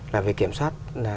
là về kiểm soát